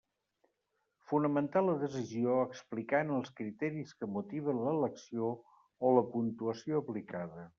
Fonamentar la decisió, explicant els criteris que motiven l'elecció o la puntuació aplicada.